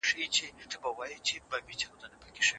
ماشوم غوښتل چې د الوتونکو مرغانو ژبه زده کړي.